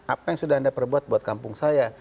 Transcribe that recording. apa yang sudah anda perbuat buat kampung saya